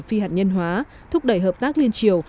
phi hạt nhân hóa thúc đẩy hợp tác liên triều